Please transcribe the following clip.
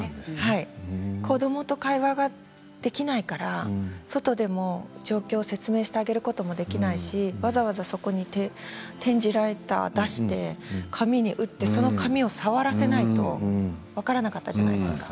子どもと会話ができないから外でも状況を説明してあげることもできないしわざわざ、そこに点字ライターを出して紙を入れてその紙を触らせないと分からなかったじゃないですか。